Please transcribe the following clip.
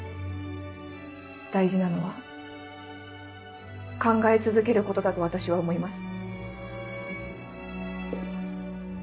大事なのは考え続けることだと私は思います。